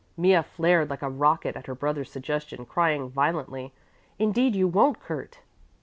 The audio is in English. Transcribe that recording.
Mea flared like a rocket at her brother's suggestion, crying violently, "Indeed you won't, Kurt."